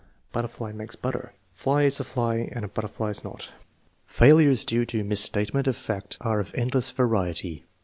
"Butterfly makes butter." " Fly is a fly and a butterfly is not." Failures due to misstatement of fact are of endless variety.